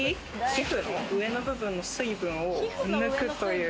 皮膚の上の部分の水分を抜くという。